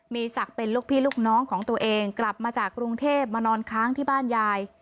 มีศักดิ์เป็นลูกพี่ลูกน้องของตัวเองกลับมาจากกรุงเทพมานอนค้างที่บ้านยาย